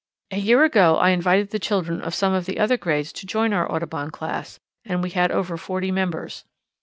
A year ago I invited the children of some of the other grades to join our Audubon Class and we had over forty members.